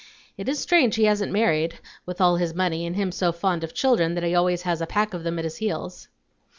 It is strange he hasn't married, with all his money, and him so fond of children that he always has a pack of them at his heels."